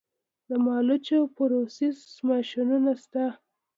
د مالوچو پروسس ماشینونه شته